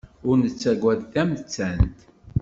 Ur nettagad tamettant.